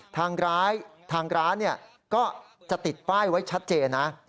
ทางร้านก็จะติดป้ายไว้ชัดเจนนะ